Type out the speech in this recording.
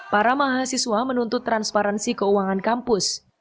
para mahasiswa menuntut transparansi keuangan kampus